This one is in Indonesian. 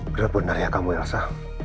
bener bener ya kamu elsa